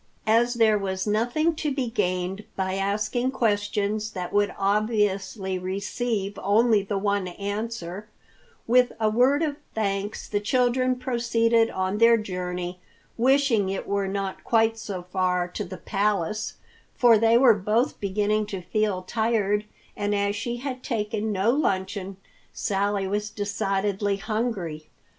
As there was nothing to be gained by asking questions that would obviously receive only the one answer, with a word of thanks the children proceeded on their journey, wishing it were not quite so far to the Palace, for they were both beginning to feel tired and as she had taken no luncheon, Sally was decidedly hungry.